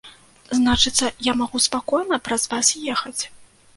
Значыцца, я магу спакойна праз вас ехаць?